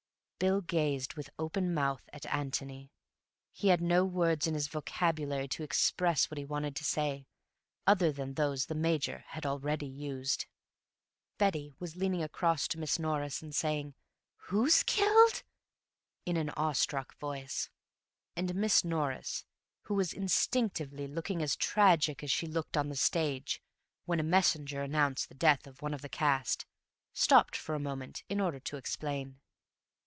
Bill gazed with open mouth at Antony. He had no words in his vocabulary to express what he wanted to say, other than those the Major had already used. Betty was leaning across to Miss Norris and saying, "Who's killed?" in an awe struck voice, and Miss Norris, who was instinctively looking as tragic as she looked on the stage when a messenger announced the death of one of the cast, stopped for a moment in order to explain.